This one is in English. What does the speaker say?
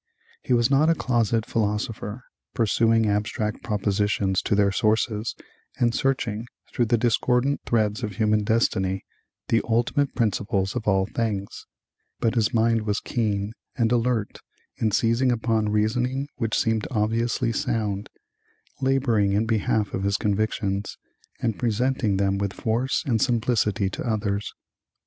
He was not a closet philosopher, pursuing abstract propositions to their sources, and searching, through the discordant threads of human destiny, the ultimate principles of all things; but his mind was keen and alert in seizing upon reasoning which seemed obviously sound, laboring in behalf of his convictions, and presenting them with force and simplicity to others.